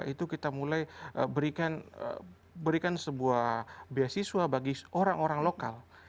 itu kita mulai berikan sebuah beasiswa bagi orang orang lokal